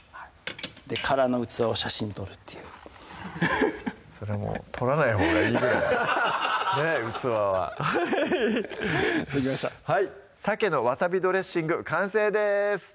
殻の器を写真撮るっていうフフッそれはもう撮らないほうがいいぐらいねっ器はハハハできました「鮭のわさびドレッシング」完成です